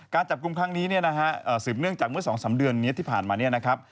การจับกลุ่มครั้งนี้เนี่ยนะฮะสืบเนื่องจากเมื่อ๒๓เดือนนี้ที่ผ่านมาเนี่ยนะครับ